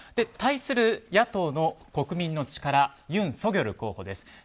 対する野党の国民の力ユン・ソギョル候補です。